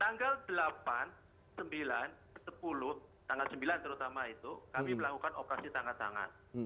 tanggal delapan sembilan sepuluh tanggal sembilan terutama itu kami melakukan operasi tanggap tangan